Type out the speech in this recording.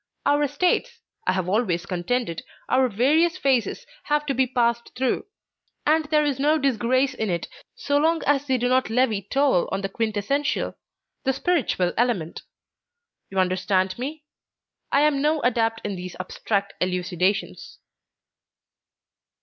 Our states, I have always contended, our various phases have to be passed through, and there is no disgrace in it so long as they do not levy toll on the quintessential, the spiritual element. You understand me? I am no adept in these abstract elucidations."